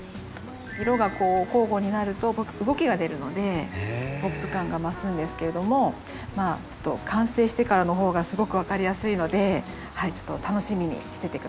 色が交互になると動きが出るのでポップ感が増すんですけれども完成してからの方がすごく分かりやすいので楽しみにしてて下さいね。